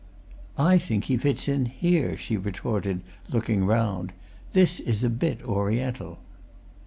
"I think he fits in here," she retorted, looking round. "This is a bit Oriental."